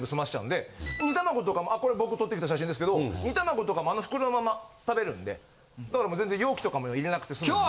煮卵とかもこれ僕撮ってきた写真ですけど煮卵とかもあの袋のまま食べるんでだから容器とかも入れなくて済むんで。